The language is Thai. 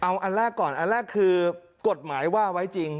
เอาอันแรกก่อนอันแรกคือกฎหมายว่าไว้จริง